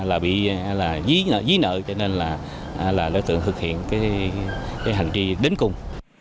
là bị dí nợ cho nên là đối tượng thực hiện cái hành tri đến cùng